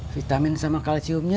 vitamin sama kalciumnya